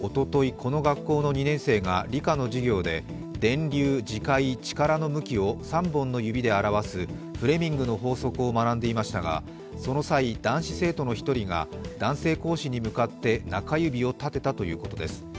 この学校の２年生が理科の授業で電流・磁界・力の向きを３本の指で示すフレミングの法則を学んでいましたがその際、男子生徒の１人が男性講師に向かって中指を立てたということです。